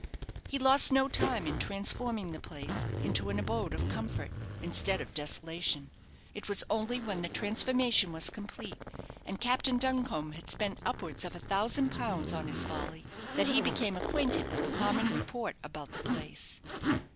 He lost no time in transforming the place into an abode of comfort, instead of desolation. It was only when the transformation was complete, and Captain Duncombe had spent upwards of a thousand pounds on his folly, that he became acquainted with the common report about the place.